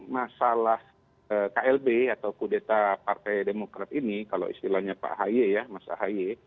masalah klb atau kudeta partai demokrat ini kalau istilahnya pak ahy ya mas ahy